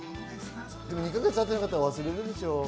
２か月、会ってなかったら忘れるでしょ？